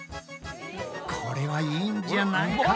これはいいんじゃないか？